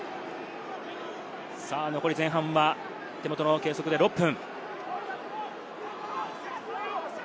残り、前半は手元の計測で６分。